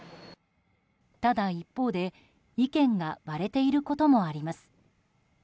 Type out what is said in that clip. ただ一方で、意見が割れていることもあります。